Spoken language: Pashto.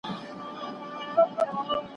اقتصادي پرمختګ له سياسي ثبات پرته ناشونی دی.